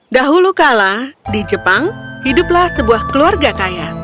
dahulu kala di jepang hiduplah sebuah keluarga kaya